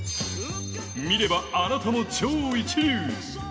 見ればあなたも超一流！